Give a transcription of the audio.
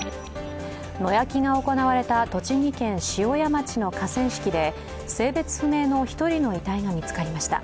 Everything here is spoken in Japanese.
野焼きが行われた栃木県塩谷町の河川敷で性別不明の１人の遺体が見つかりました。